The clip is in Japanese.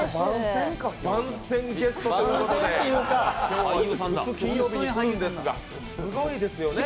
番宣ゲストということで、普通は金曜日に来るんですがすごいですよね。